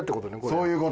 そういう事。